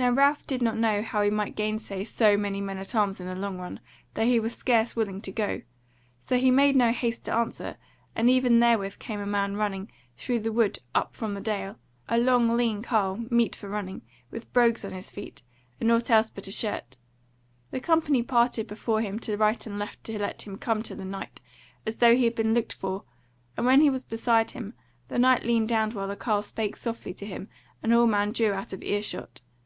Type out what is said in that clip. Now Ralph did not know how he might gainsay so many men at arms in the long run, though he were scarce willing to go; so he made no haste to answer; and even therewith came a man running, through the wood up from the dale; a long, lean carle, meet for running, with brogues on his feet, and nought else but a shirt; the company parted before him to right and left to let him come to the Knight, as though he had been looked for; and when he was beside him, the Knight leaned down while the carle spake softly to him and all men drew out of ear shot.